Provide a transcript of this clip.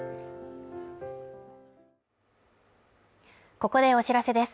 ここでお知らせです。